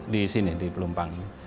di sini di pelumpang